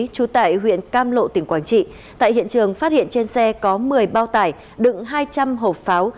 trú tại huyện cam lộ tỉnh quảng trị tại hiện trường phát hiện trên xe có một mươi bao tải đựng hai trăm linh hộp pháo